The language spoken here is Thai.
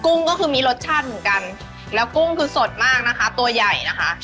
ุ้งก็คือมีรสชาติเหมือนกันแล้วกุ้งคือสดมากนะคะตัวใหญ่นะคะ